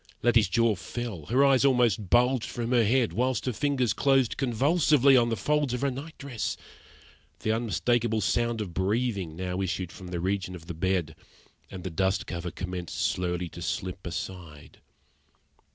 Letty's jaw fell, her eyes almost bulged from her head, whilst her fingers closed convulsively on the folds of her night dress. The unmistakable sound of breathing now issued from the region of the bed, and the dust cover commenced slowly to slip aside.